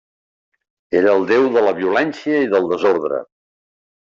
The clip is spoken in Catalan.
Era el déu de la violència i del desordre.